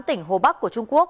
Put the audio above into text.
tỉnh hồ bắc của trung quốc